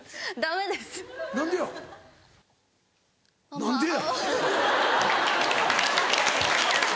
何でや！